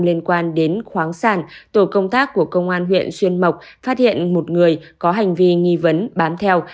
liên quan đến khoáng sản tổ công tác của công an huyện xuyên mộc phát hiện một người có hành vi nghi vấn bán theo